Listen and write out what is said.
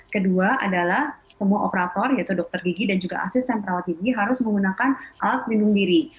kedua adalah semua operator yaitu dokter gigi dan juga asisten perawat gigi harus menggunakan alat pelindung diri